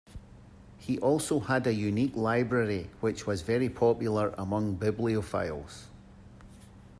He also had a unique library which was very popular among bibliophiles.